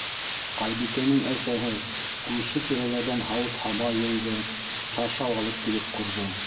Айбикәнең әсәһе күрше-тирәләрҙән һауыт-һаба йыйҙы, шаршау алып килеп ҡорҙо.